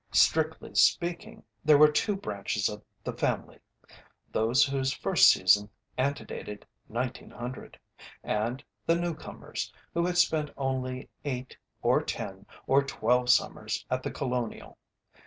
Strictly speaking, there were two branches of the "Family": those whose first season antedated 1900, and the "newcomers," who had spent only eight, or ten, or twelve summers at The Colonial.